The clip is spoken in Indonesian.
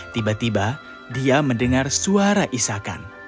tiba tiba dia mendengar suara isakan